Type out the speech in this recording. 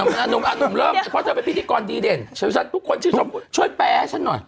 เพราะเธอเป็นพิธีกรดีเด่นช่วยแปลให้ฉันหน่อย